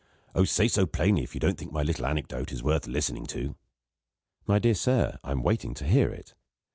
Oh, say so plainly, if you don't think my little anecdote worth listening to!" "My dear sir, I am waiting to hear it."